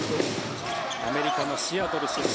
アメリカのシアトル出身。